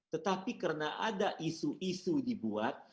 tetapi karena ada isu isu dibuat